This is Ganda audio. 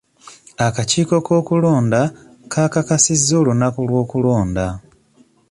Akakiiko k'okulonda kakasizza olunaku lw'okulonda?